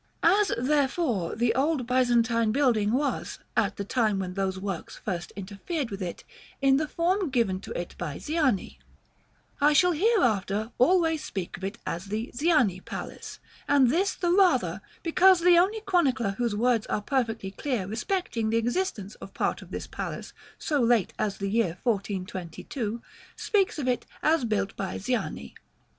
As, therefore, the old Byzantine building was, at the time when those works first interfered with it, in the form given to it by Ziani, I shall hereafter always speak of it as the Ziani Palace; and this the rather, because the only chronicler whose words are perfectly clear respecting the existence of part of this palace so late as the year 1422, speaks of it as built by Ziani.